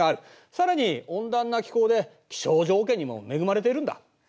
さらに温暖な気候で気象条件にも恵まれているんだ。